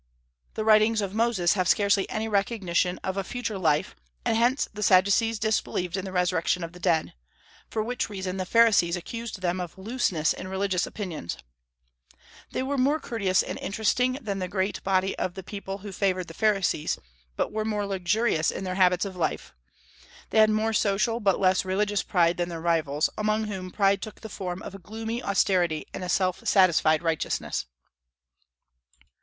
The writings of Moses have scarcely any recognition of a future life, and hence the Sadducees disbelieved in the resurrection of the dead, for which reason the Pharisees accused them of looseness in religious opinions. They were more courteous and interesting than the great body of the people who favored the Pharisees, but were more luxurious in their habits of life. They had more social but less religious pride than their rivals, among whom pride took the form of a gloomy austerity and a self satisfied righteousness.